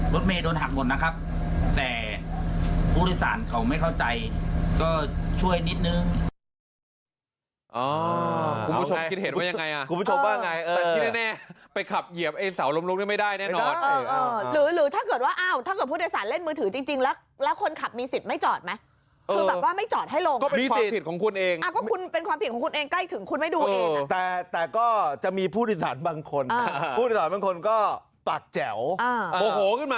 รถเมย์โดนหักหมดนะครับแต่ผู้โดยสารเขาไม่เข้าใจก็ช่วยนิดนึง